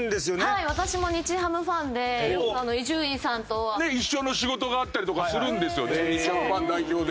はい私も日ハムファンでよく伊集院さんとは。ねっ一緒の仕事があったりとかするんですよ日ハムファン代表で。